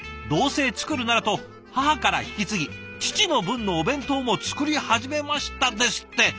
どうせ作るならと母から引き継ぎ父の分のお弁当も作り始めました」ですって。